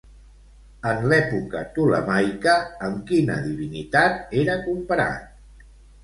En l'època ptolemaica, amb quina divinitat era comparat?